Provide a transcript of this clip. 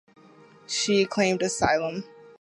She claimed asylum.